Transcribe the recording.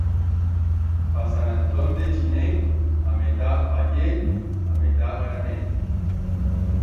Pa Sant Antón de chiner a metat paller, a metat graner.